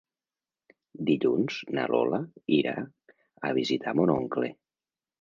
Dilluns na Lola irà a visitar mon oncle.